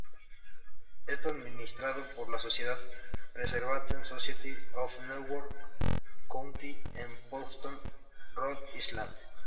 Está administrado por la sociedad "Preservation Society of Newport County" en Portsmouth, Rhode Island.